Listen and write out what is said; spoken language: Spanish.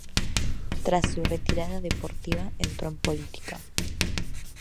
Tras su retirada deportiva, entró en política.